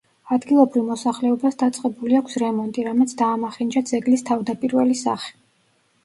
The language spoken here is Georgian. ადგილობრივ მოსახლეობას დაწყებული აქვს რემონტი, რამაც დაამახინჯა ძეგლის თავდაპირველი სახე.